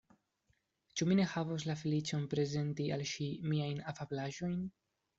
Ĉu mi ne havos la feliĉon prezenti al ŝi miajn afablaĵojn?